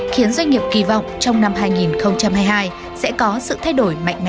khiến doanh nghiệp kỳ vọng trong năm hai nghìn hai mươi hai sẽ có sự thay đổi mạnh mẽ